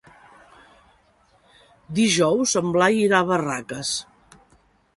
Dijous en Blai irà a Barraques.